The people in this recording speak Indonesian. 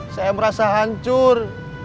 saya merasa hancur